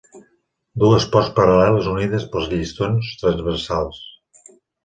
Dues posts paral·leles unides per llistons transversals.